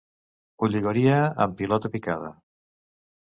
Ho lligaria en pilota picada.